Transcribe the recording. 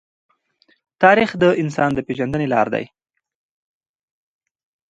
تاریخ د انسان د پېژندنې لار دی.